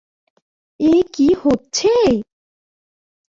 এ কী হচ্ছে?